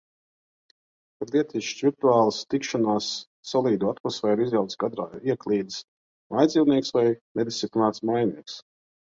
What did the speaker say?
Kad lietišķas virtuālas tikšanās solīdo atmosfēru izjauc kadrā ieklīdis mājdzīvnieks vai nedisciplinēts mājinieks.